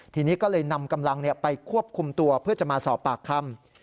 ทีนี้ก็เลยนำกำลังไปควบคุมตัวเพื่อจะมาสอบปากคำ